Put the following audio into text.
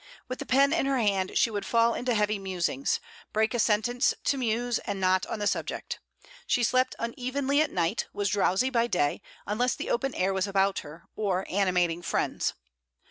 With the pen in her hand, she would fall into heavy musings; break a sentence to muse, and not on the subject. She slept unevenly at night, was drowsy by day, unless the open air was about her, or animating friends.